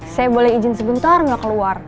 saya boleh izin sebentar nggak keluar